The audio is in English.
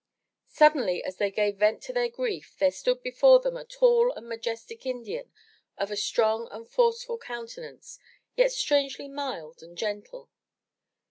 Suddenly, as they gave vent to their grief, there stood before them a tall and majestic Indian of a strong and forceful counte nance, yet strangely mild and gentle.